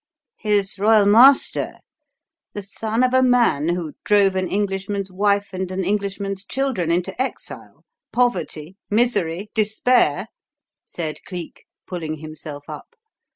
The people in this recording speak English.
"His royal master? The son of the man who drove an Englishman's wife and an Englishman's children into exile poverty misery despair?" said Cleek, pulling himself up.